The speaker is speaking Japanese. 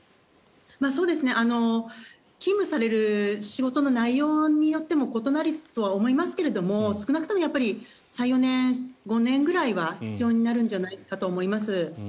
勤務される仕事の内容によっても異なるとは思いますけれど少なくとも３４年、５年ぐらいは必要になるんじゃないかと思います。